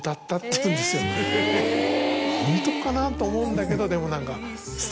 ホントかな？と思うんだけどでも何か。